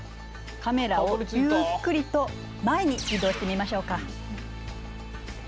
カメラをゆっくりと前に移動してみましょうか。